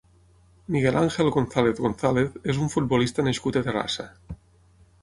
Miguel Ángel González González és un futbolista nascut a Terrassa.